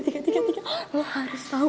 tiga tiga tiga lo harus tau